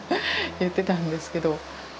言ってたんですけど。